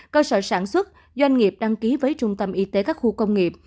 cơ sở sản xuất doanh nghiệp đăng ký với trung tâm y tế các khu công nghiệp